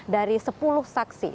dari sepuluh saksi